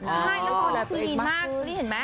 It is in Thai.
ไม่แล้วก่อนคือลีนมากนี่เห็นมั้ย